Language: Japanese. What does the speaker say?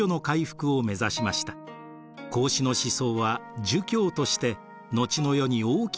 孔子の思想は儒教として後の世に大きな影響を与えました。